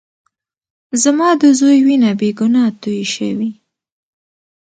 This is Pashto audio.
زما د زوى وينه بې ګناه تويې شوې.